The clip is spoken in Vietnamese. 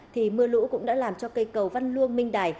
thì mưa lũ cũng đã làm cho cây cầu văn luông minh đài